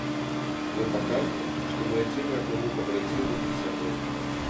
Мы паказваем, што мы адзін аднаму пабрацімы і сябры.